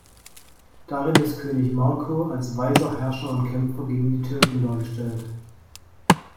Darin ist König Marko als weiser Herrscher und Kämpfer gegen die Türken dargestellt.